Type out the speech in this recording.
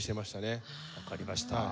わかりました。